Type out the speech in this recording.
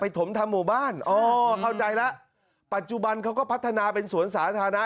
ถมทำหมู่บ้านอ๋อเข้าใจแล้วปัจจุบันเขาก็พัฒนาเป็นสวนสาธารณะ